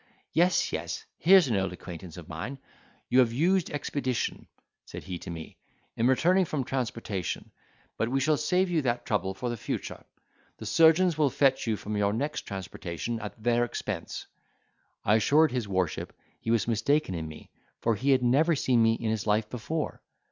Yes, yes, here's an old acquaintance of mine. You have used expedition," said he to me, "in returning from transportation; but we shall save you that trouble for the future—the surgeons will fetch you from your next transportation, at their expense." I assured his worship he was mistaken in me, for he had never seen me in his life before.